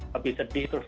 tapi sedih terus